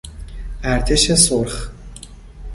ارتش سرخ